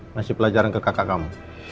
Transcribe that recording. ngasih pelajaran ke kakak kamu